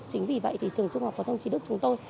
chính vì vậy thì trường trung học phổ thông trí đức chúng tôi